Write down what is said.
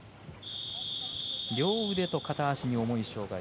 両腕と片足に重い障がい。